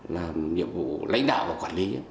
làm nhiệm vụ lãnh đạo và quản lý